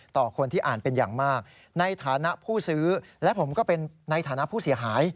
ต่อคนที่อ่านเป็นอย่างมากในฐานะผู้ซื้อและผมก็เป็นในฐานะผู้เสียหาย